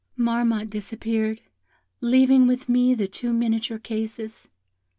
"Marmotte disappeared, leaving with me the two miniature cases.